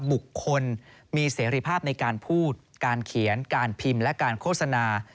บุคคลมีเสรีภาพในการพูดการเขียนการพิมพ์และการโฆษณา